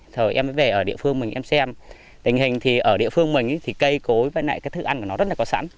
thời em mới về ở địa phương mình em xem tình hình thì ở địa phương mình thì cây cối với lại cái thức ăn của nó rất là có sẵn